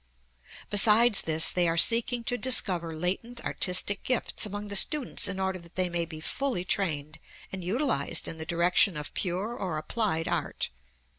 Besides this, they are seeking to discover latent artistic gifts among the students in order that they may be fully trained and utilized in the direction of pure or applied art.